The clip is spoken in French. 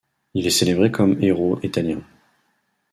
Il est célébré comme héros italien.